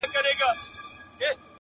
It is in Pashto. یار به واچوم تارونه نوي نوي و رباب ته,